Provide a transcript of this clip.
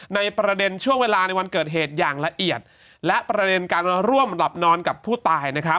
ในประเด็นช่วงเวลาในวันเกิดเหตุอย่างละเอียดและประเด็นการร่วมหลับนอนกับผู้ตายนะครับ